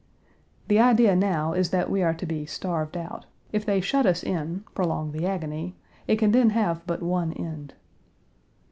" The idea now is that we are to be starved out. If they shut us in, prolong the agony, it can then have but one end.